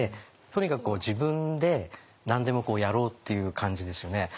とにかく自分で何でもやろうっていう感じですよね。